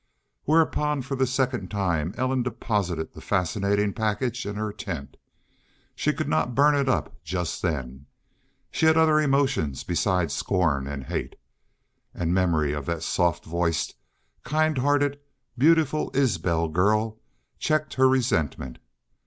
Whereupon for the second time Ellen deposited the fascinating package in her tent. She could not burn it up just then. She had other emotions besides scorn and hate. And memory of that soft voiced, kind hearted, beautiful Isbel girl checked her resentment.